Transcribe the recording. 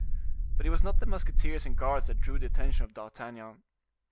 But it was not the musketeers and guards that drew the attention of D'Artagnan.